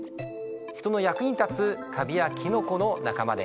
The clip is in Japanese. ヒトの役に立つカビやキノコの仲間です。